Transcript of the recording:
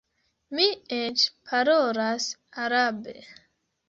Mi eĉ parolas arabe.